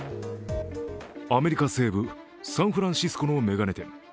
アメリカ西部サンフランシスコの眼鏡店。